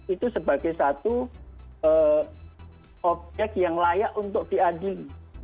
itu sebagai satu objek yang layak untuk diadili